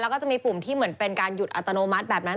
แล้วก็จะมีปุ่มที่เหมือนเป็นการหยุดอัตโนมัติแบบนั้น